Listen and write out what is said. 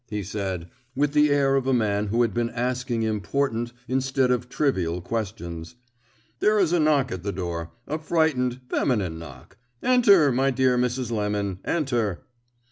he said, with the air of a man who had been asking important instead of trivial questions. "There is a knock at the door a frightened, feminine knock. Enter, my dear Mrs. Lemon, enter."